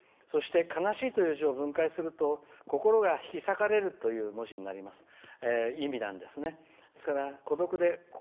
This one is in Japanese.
そして悲しいという字を分解すると心が引き裂かれるという意味になります。